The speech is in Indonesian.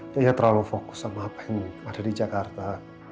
saya terlalu fokus sama apa yang ada di jakarta